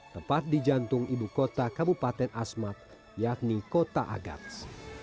tepat di jantung ibu kota kabupaten agats